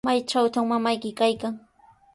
¿Maytrawtaq mamayki kaykan?